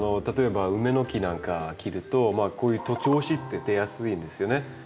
例えば梅の木なんか切るとこういう徒長枝って出やすいんですよね。